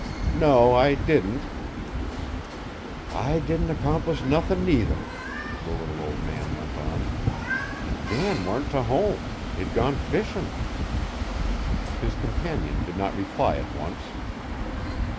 "No, I didn't." "I didn't accomplish nothin', either," the little old man went on. "Jan warn't to home; he'd gone fishin'." His companion did not reply at once.